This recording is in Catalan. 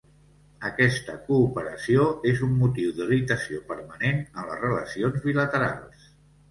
Aquesta cooperació és un motiu d'irritació permanent en les relacions bilaterals.